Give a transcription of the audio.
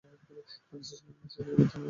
পাকিস্তান সেনাবাহিনীতে চাকরি করতেন এয়ার আহমদ।